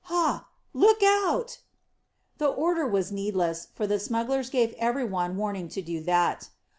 Hah! Look out!" The order was needless, for the smugglers gave every one warning to do that.